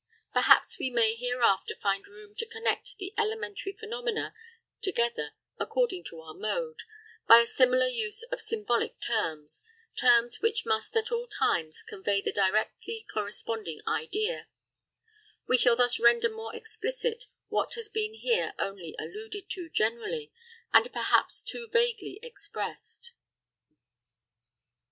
Perhaps we may hereafter find room to connect the elementary phenomena together according to our mode, by a similar use of symbolical terms, terms which must at all times convey the directly corresponding idea; we shall thus render more explicit what has been here only alluded to generally, and perhaps too vaguely expressed.